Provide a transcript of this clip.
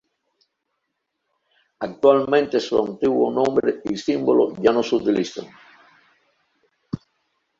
Actualmente su antiguo nombre y símbolo ya no se utilizan.